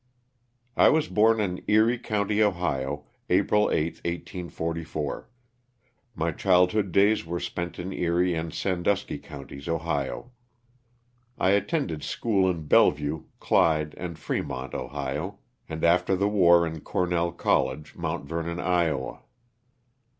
T WAS born in Erie county, Ohio, April 8, 1844. My childhood days were spent in Erie and San dusky counties, Ohio. I attended school in Bellevue, Clyde and Fremont, Ohio, and after the war in Cornell College, Mount Vernon, Iowa.